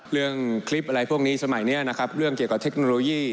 เรื่องคลิปอะไรพวกนี้สมัยนี้นะครับเรื่องเกี่ยวกับเทคโนโลยี